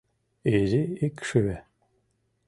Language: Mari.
Изи икшыве.